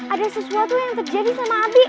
ada sesuatu yang terjadi sama abi